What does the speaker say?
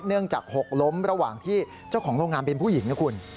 จากหกล้มระหว่างที่เจ้าของโรงงานเป็นผู้หญิงนะคุณ